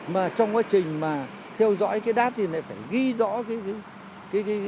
mà trong quá trình mà theo dõi cái đát thì lại phải ghi rõ cái